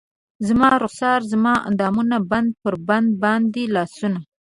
زما رخسار زما اندامونه بند پر بند باندې لاسونه